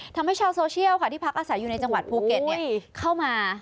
ทำให้ชาวโซเชียลค่ะที่พักอาศัยอยู่ในจังหวัดภูเก็ตเข้ามา